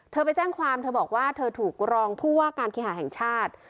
ไปแจ้งความเธอบอกว่าเธอถูกรองผู้ว่าการเคหาแห่งชาติ